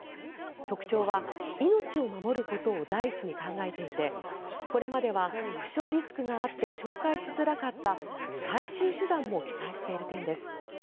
特徴は、命を守ることを第一に考えていてこれまでは負傷リスクがあって紹介しづらかった最終手段も記載している点です。